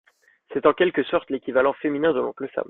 C'est en quelque sorte l'équivalent féminin de l'Oncle Sam.